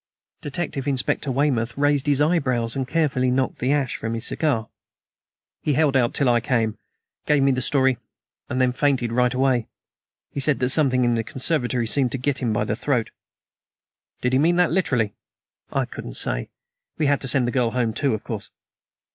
Detective Inspector Weymouth raised his eyebrows and carefully knocked the ash from his cigar. "He held out until I came, gave me the story, and then fainted right away. He said that something in the conservatory seemed to get him by the throat." "Did he mean that literally?" "I couldn't say. We had to send the girl home, too, of course."